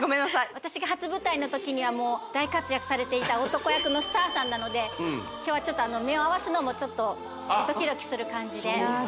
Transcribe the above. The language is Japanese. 私が初舞台の時にはもう大活躍されていた男役のスターさんなので今日はちょっと目を合わすのもちょっとドキドキする感じでそうなんや？